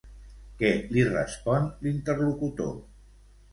Què li respon l'interlocutor?